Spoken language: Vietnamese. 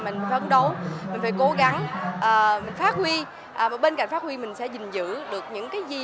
mình phải phấn đấu mình phải cố gắng mình phát huy bên cạnh phát huy mình sẽ giữ được những cái gì